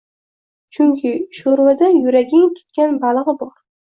– Chunki sho‘rvada Yuraning tutgan balig‘i bor